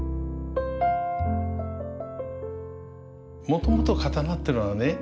もともと刀ってのはね